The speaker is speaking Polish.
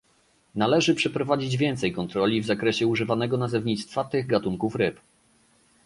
Należy przeprowadzać więcej kontroli w zakresie używanego nazewnictwa tych gatunków ryb